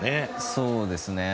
そうですね。